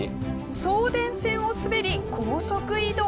送電線を滑り高速移動。